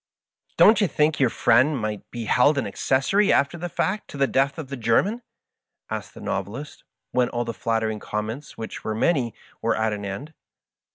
" Don't yon think yonr friend might be held an accessory after the fact to the death of the German ?" asked the Novelist, when all the flattering comments, which were many, were at an end.